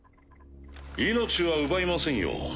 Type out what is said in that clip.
命は奪いませんよ。